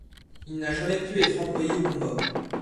Il n'a jamais pu être employé au combat.